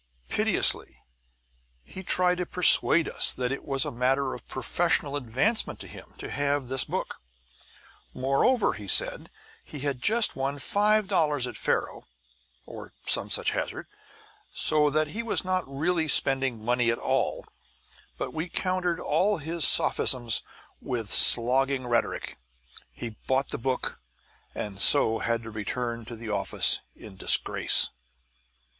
Piteously he tried to persuade us that it was a matter of professional advancement to him to have this book; moreover, he said, he had just won five dollars at faro (or some such hazard) so that he was not really spending money at all; but we countered all his sophisms with slogging rhetoric. He bought the book, and so had to return to the office in disgrace.